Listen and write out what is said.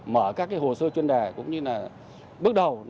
mở các hồ sơ chuyên đề cũng như là bước đầu